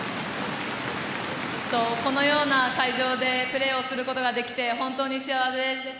このような会場でプレーをすることができて本当に幸せです。